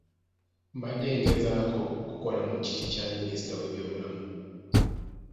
Mbadde ngezaako kukola mu kiti kya Minisita w’ebyobulamu.